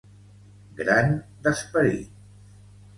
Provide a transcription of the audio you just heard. Gran d'esperit.